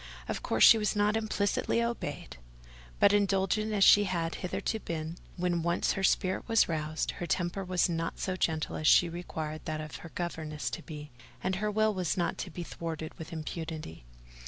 Of course, she was not implicitly obeyed; but, indulgent as she had hitherto been, when once her spirit was roused, her temper was not so gentle as she required that of her governesses to be, and her will was not to be thwarted with impunity.